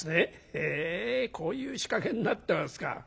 へえこういう仕掛けになってますか。